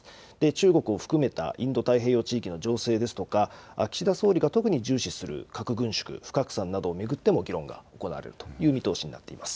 中国を含めたインド太平洋地域の情勢や岸田総理大臣が特に重視する核軍縮・不拡散などを巡っても議論が行われる見通しになっています。